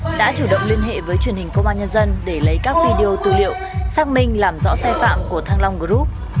cục quản lý cạnh tranh bộ công thương đã chuyên hệ với truyền hình công an nhân dân để lấy các video tư liệu xác minh làm rõ sai phạm của thăng long group